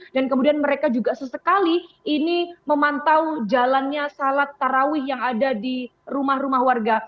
dan kemudian mereka juga sesekali ini memantau jalannya sholat tarawih yang ada di rumah rumah warga